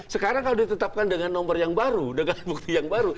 sekarang kalau ditetapkan dengan nomor yang baru dengan bukti yang baru